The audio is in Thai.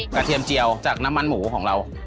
เทียมเจียวจากน้ำมันหมูของเรา